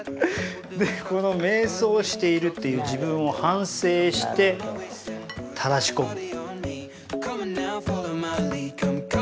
でこの迷走しているっていう自分を反省してたらし込む。